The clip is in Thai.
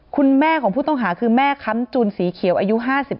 คุณแม่ของผู้ต้องหาคือแม่ค้ำจุนสีเขียวอายุ๕๓